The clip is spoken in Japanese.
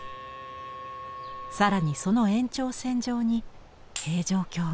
更にその延長線上に平城京が。